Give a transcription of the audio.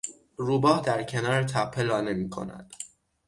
روباه در کنار تپه لانه میکند.